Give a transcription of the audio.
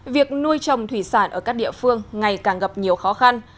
việc nuôi trồng thủy sản ở các địa phương ngày càng gặp nhiều khó khăn